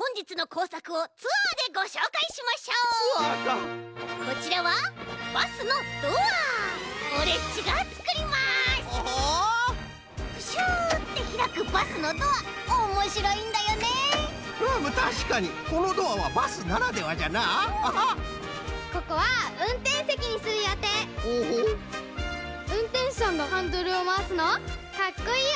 うんてんしゅさんがハンドルをまわすのかっこいいよね！